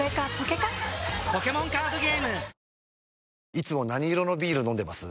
いつも何色のビール飲んでます？